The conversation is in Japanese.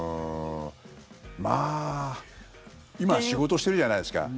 まあ今、仕事してるじゃないですか。